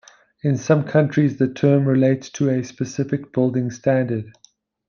In some countries the term relates to a specific building standard.